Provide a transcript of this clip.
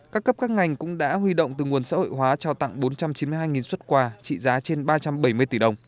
các cấp các ngành cũng đã huy động từ nguồn xã hội hóa trao tặng bốn trăm chín mươi hai xuất quà trị giá trên ba trăm bảy mươi tỷ đồng